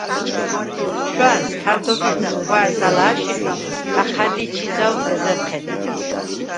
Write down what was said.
შუ̂ა̈ნს ქართობილს ხუ̂ა̈ჲს ალა̄̈შიხ ი მაჴა̈დი ჩი ზაუ̂ ეზერ ჴედნი.